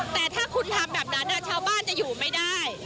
แต่ถ้าคุณทำแบบนั้นชาวบ้านจะอยู่ไม่ได้